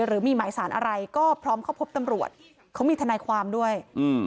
หรือมีหมายสารอะไรก็พร้อมเข้าพบตำรวจเขามีทนายความด้วยอืม